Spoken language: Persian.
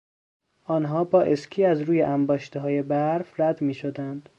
آنها با اسکی از روی انباشتههای برف رد میشدند.